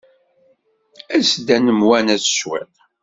As-d ad nemwanas cwiṭ.